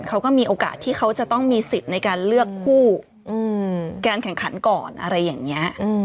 เขาก็มีโอกาสที่เขาจะต้องมีสิทธิ์ในการเลือกคู่การแข่งขันก่อนอะไรอย่างนี้